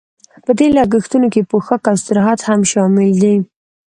په دې لګښتونو کې پوښاک او استراحت هم شامل دي